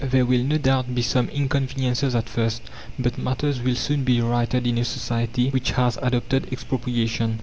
There will no doubt be some inconveniences at first, but matters will soon be righted in a society which has adopted expropriation.